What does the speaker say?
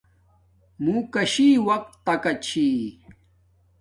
موں کشی وقت تکا چھی